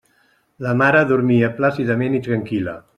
La mare dormia plàcidament i tranquil·la.